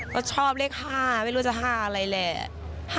ก็ชอบเลข๕ไม่รู้จะ๕อะไรแหละ